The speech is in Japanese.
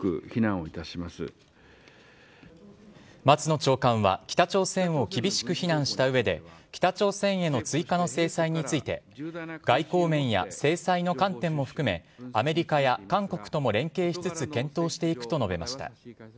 松野長官は北朝鮮を厳しく非難した上で北朝鮮への追加の制裁について外交面や制裁の観点も含めアメリカや韓国とも連携しつつ検討していくと述べました。